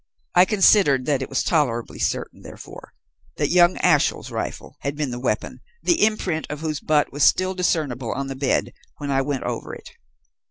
I considered that it was tolerably certain, therefore, that young Ashiel's rifle had been the weapon the imprint of whose butt was still discernible on the bed when I went over it.